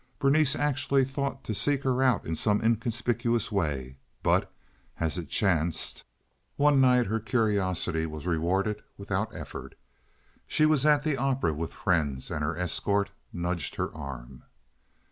Berenice actually thought to seek her out in some inconspicuous way, but, as it chanced, one night her curiosity was rewarded without effort. She was at the opera with friends, and her escort nudged her arm.